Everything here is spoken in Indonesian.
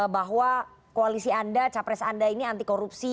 bahwa koalisi anda capres anda ini antikorupsi